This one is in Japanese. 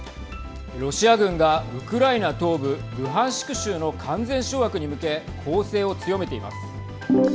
ロシア軍がウクライナ東部ルハンシク州の完全掌握に向け攻勢を強めています。